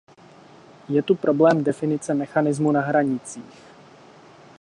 Je tu problém definice mechanismu na hranicích.